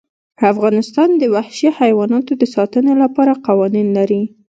افغانستان د وحشي حیواناتو د ساتنې لپاره قوانین لري.